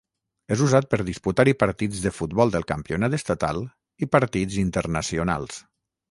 És usat per disputar-hi partits de futbol del campionat estatal i partits internacionals.